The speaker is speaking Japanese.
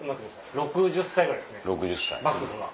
６０歳ぐらいですね幕府は。